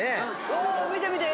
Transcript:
お見て見て！